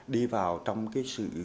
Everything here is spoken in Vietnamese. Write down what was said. đi vào trong cái sự